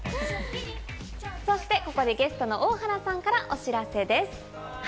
そして、ここでゲストの大原さんからお知らせです。